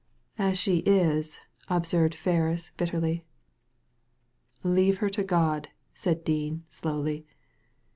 "As she is," observed Ferris, bitterly. " Leave her to God," said Dean, slowly.